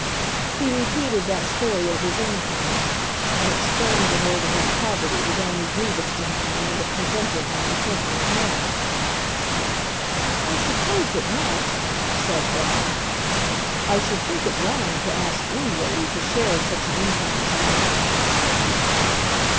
He repeated that story of his income, and explained to her that his poverty was only grievous to him in that it prevented him from thinking of marriage. "I suppose it must," said Bell. "I should think it wrong to ask any lady to share such an income as mine," said he.